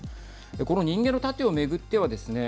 この人間の盾を巡ってはですね